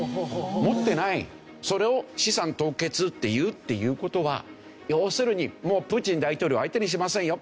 それを資産凍結って言うっていう事は要するにもうプーチン大統領は相手にしませんよ。